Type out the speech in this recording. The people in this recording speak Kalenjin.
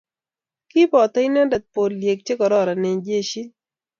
kiboto inendet poliek che kororon eng' jeshit.